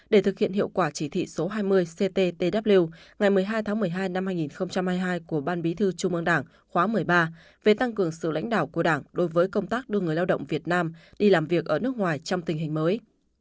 để thực hiện hiệu quả chỉ thị số hai mươi cttw ngày một mươi hai tháng một mươi hai năm hai nghìn hai mươi hai của ban bí thư trung ương đảng khóa một mươi ba về tăng cường sự lãnh đạo của đảng đối với công tác đưa người lao động việt nam đi làm việc ở nước ngoài trong tình hình mới